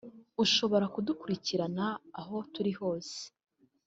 ushobora kudukurikirana aho turi hose